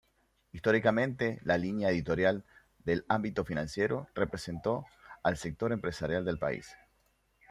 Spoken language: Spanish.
Históricamente, la línea editorial de Ámbito Financiero representó al sector empresarial del país.